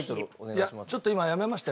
いやちょっと今やめました。